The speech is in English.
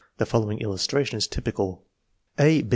The following illustration is typical: A.